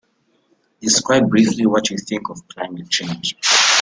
Describe briefly what you think of climate change?